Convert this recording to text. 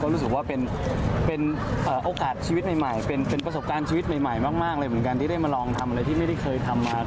รู้สึกว่าเป็นโอกาสชีวิตใหม่เป็นประสบการณ์ชีวิตใหม่มากเลยเหมือนกันที่ได้มาลองทำอะไรที่ไม่ได้เคยทำมา